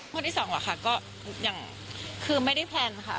วันที่สองหรอกค่ะก็อย่างคือไม่ได้แพลนค่ะ